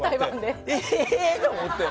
ええって思って。